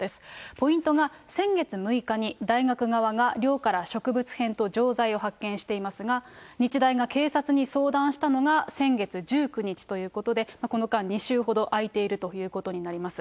ポイントが先月６日に大学側が寮から植物片と錠剤を発見していますが、日大が警察に相談したのが先月１９日ということで、この間２週ほどあいているということになります。